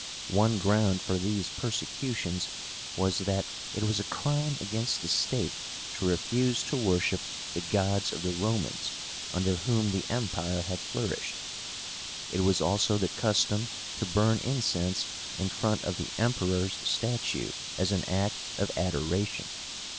One ground for these persecutions was that it was a crime against the state to refuse to worship the gods of the Romans under whom the Empire had flourished. It was also the custom to burn incense in front of the Emperor's statue, as an act of adoration.